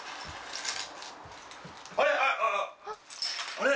あれ？